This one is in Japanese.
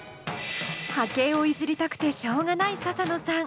波形をいじりたくてしょうがないササノさん。